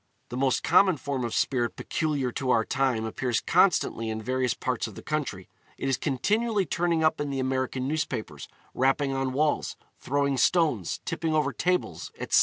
The more common form of spirit peculiar to our time appears constantly in various parts of the country; it is continually turning up in the American newspapers, rapping on walls, throwing stones, tipping over tables, etc.